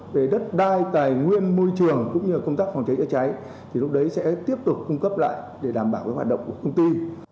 về đất đai tài nguyên môi trường cũng như công tác phòng cháy chữa cháy thì lúc đấy sẽ tiếp tục cung cấp lại để đảm bảo hoạt động của công ty